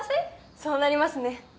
そうなりますね。